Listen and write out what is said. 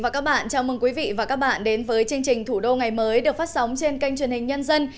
chào mừng quý vị đến với chương trình thủ đô ngày mới được phát sóng trên kênh truyền hình nhân dân